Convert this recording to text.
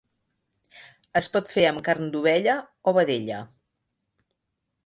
Es pot fer amb carn d'ovella o vedella.